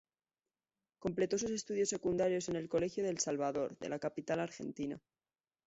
Completó sus estudios secundarios en el Colegio del Salvador, de la capital argentina.